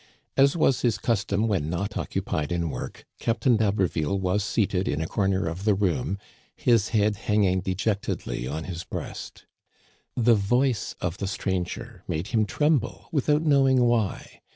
As was his custom when not occupied in work, Captain d'Haber ville was seated in a corner of the room, his head hang ing dejectedly on his breast. The voice of the stranger made him tremble without knowing why.